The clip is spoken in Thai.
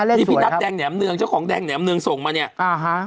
นี่พี่นัทแดงแหมเนืองเจ้าของแดงแหมเนืองส่งมาเนี่ยอ่าฮะ